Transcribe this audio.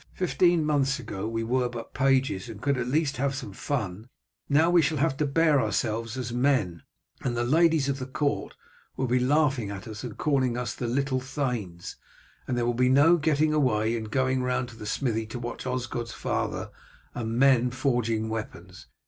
"Fifteen months ago we were but pages and could at least have some fun, now we shall have to bear ourselves as men, and the ladies of the court will be laughing at us and calling us the little thanes, and there will be no getting away and going round to the smithy to watch Osgod's father and men forging weapons.